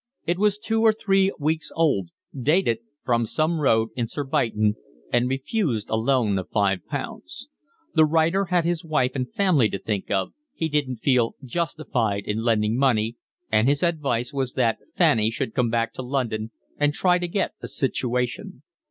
It was two or three weeks old, dated from some road in Surbiton, and refused a loan of five pounds. The writer had his wife and family to think of, he didn't feel justified in lending money, and his advice was that Fanny should come back to London and try to get a situation.